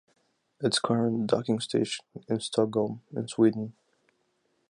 Its current docking station is Stockholm in Sweden.